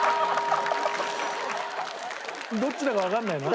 どっちだかわからないの？